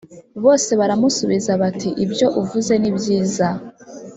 bose baramusubiza bati Ibyo uvuze ni byiza